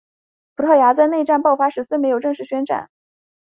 葡萄牙在内战爆发时虽没有正式宣战。